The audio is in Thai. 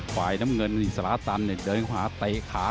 ฝ่ายน้ำเงินอิสลาตันเดินขวาเตะขา